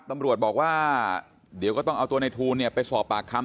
ตำรวจบอกว่าเดี๋ยวก็ต้องเอาตัวในทูลไปสอบปากคำ